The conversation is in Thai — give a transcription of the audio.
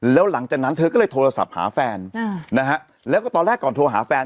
แล้วหลังจากนั้นเธอก็เลยโทรศัพท์หาแฟนนะฮะแล้วก็ตอนแรกก่อนโทรหาแฟน